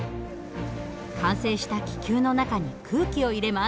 完成した気球の中に空気を入れます。